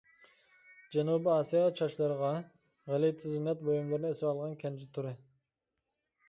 جەنۇبىي ئاسىيا چاچلىرىغا غەلىتە زىننەت بۇيۇملىرىنى ئېسىۋالغان كەنجى تۈرى.